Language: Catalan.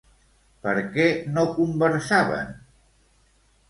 Per què no conversaven?